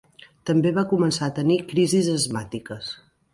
També va començar a tenir crisis asmàtiques.